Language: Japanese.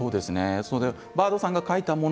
バードさんが書いたもの